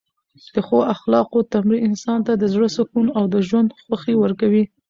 د ښو اخلاقو تمرین انسان ته د زړه سکون او د ژوند خوښۍ ورکوي.